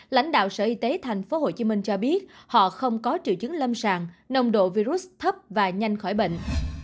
lãnh đạo sở y tế tp hcm cho biết họ không có triệu chứng lâm sàng nồng độ virus thấp và nhanh khỏi bệnh